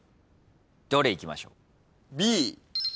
どれいきましょう？